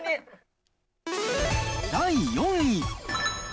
第４位。